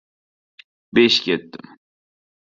Besh ketdim!